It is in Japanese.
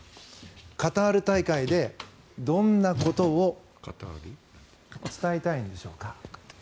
カタール大会でどんなことを伝えたいんでしょうか。